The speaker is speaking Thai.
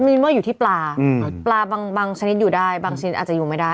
มีนว่าอยู่ที่ปลาปลาบางชนิดอยู่ได้บางชิ้นอาจจะอยู่ไม่ได้